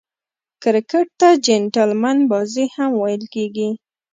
کرکټ ته "جېنټلمن بازي" هم ویل کیږي.